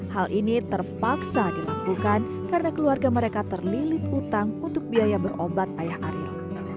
hal ini terpaksa dilakukan karena keluarga mereka terlilit utang untuk biaya berobat ayah aril